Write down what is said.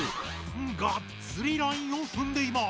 がっつりラインをふんでいます。